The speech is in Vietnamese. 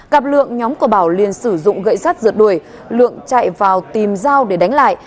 gặp lượng nhóm của bảo liên sử dụng gậy sắt rượt đuổi lượng chạy vào tìm dao để đánh lại